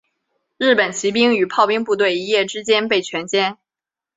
日军骑兵与炮兵部队一夜之间被全歼。